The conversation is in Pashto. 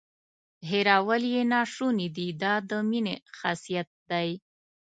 هیرول یې ناشونې دي دا د مینې خاصیت دی.